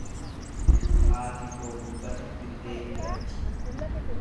Haati koo dubbata dirree irratti.